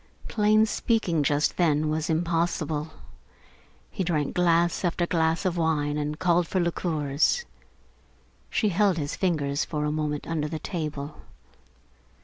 Plain speaking just then was impossible. He drank glass after glass of wine and called for liqueurs. She held his fingers for a moment under the table.